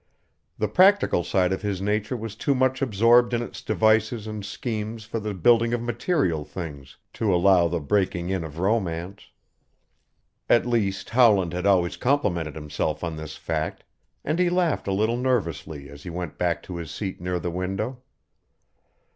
The practical side of his nature was too much absorbed in its devices and schemes for the building of material things to allow the breaking in of romance. At least Howland had always complimented himself on this fact, and he laughed a little nervously as he went back to his seat near the window.